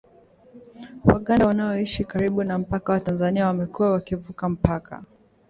Waganda wanaoishi karibu na mpaka wa Tanzania wamekuwa wakivuka mpaka